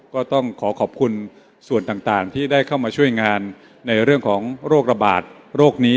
ก็ต้องขอขอบคุณส่วนต่างที่ได้เข้ามาช่วยงานในเรื่องของโรคระบาดโรคนี้